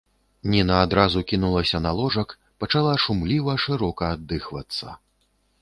Ніна адразу кінулася на ложак, пачала шумліва, шырока аддыхвацца.